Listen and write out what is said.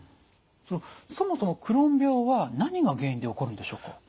そのそもそもクローン病は何が原因で起こるんでしょうか？